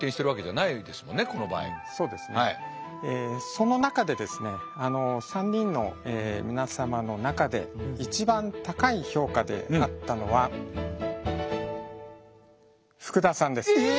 その中でですね３人の皆様の中で一番高い評価であったのはえ！？え！？